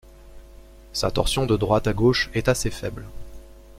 Sa torsion de droite à gauche est assez faible.